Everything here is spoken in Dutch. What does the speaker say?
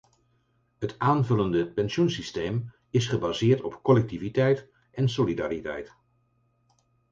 Het aanvullende pensioensysteem is gebaseerd op collectiviteit en solidariteit.